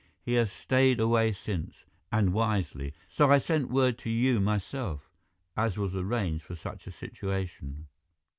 He has stayed away since and wisely so I sent word to you myself, as was arranged for such a situation."